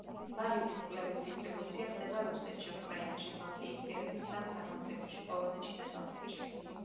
ლაღიძის წყლების დისტრიბუცია ხდება რუსეთში, უკრაინაში, ბალტიისპირეთის სამ სახელმწიფოში, პოლონეთში და სომხეთში.